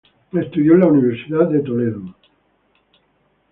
Estudió en la universidad de Toledo.